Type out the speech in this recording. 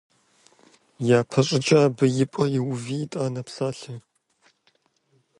Япэщӏыкӏэ абы и пӏэ иуви итӏанэ псалъэ.